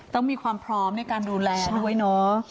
ต้องมีความพร้อมในการดูแลด้วยเนอะ